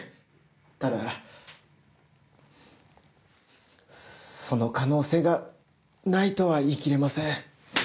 ただその可能性がないとは言い切れません。